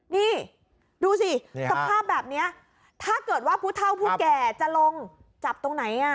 นี่ดูสิสภาพแบบนี้ถ้าเกิดว่าผู้เท่าผู้แก่จะลงจับตรงไหน